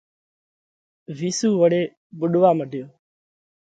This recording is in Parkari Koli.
وِيسُو وۯي ٻُوڏوا مڏيو۔